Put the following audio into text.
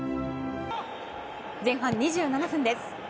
前半２７分です。